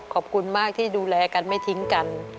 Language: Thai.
ขอบคุณมากที่ดูแลกันไม่ทิ้งกัน